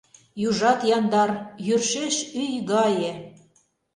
Южат яндар, йӧршеш ӱй гае.